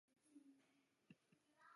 玄界滩是九州西北部的海域。